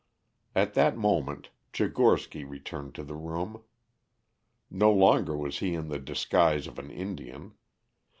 At that moment Tchigorsky returned to the room. No longer was he in the disguise of an Indian.